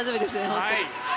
本当に。